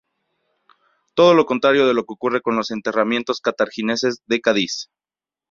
Todo lo contrario de lo que ocurre con los enterramientos cartagineses de Cádiz.